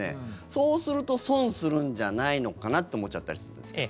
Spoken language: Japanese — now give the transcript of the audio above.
そうすると損するんじゃないのかなと思っちゃったりするんですけど。